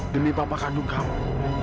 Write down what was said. demi papa kandung kamu